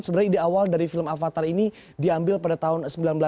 sebenarnya ide awal dari film avatar ini diambil pada tahun seribu sembilan ratus sembilan puluh